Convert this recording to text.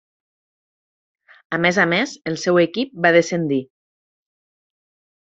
A més a més, el seu equip va descendir.